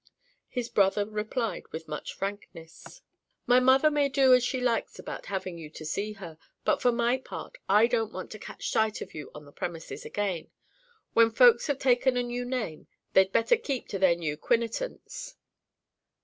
His brother replied with much frankness. "My mother may do as she likes about having you to see her, but, for my part, I don't want to catch sight of you on the premises again. When folks have taken a new name, they'd better keep to their new 'quinetance."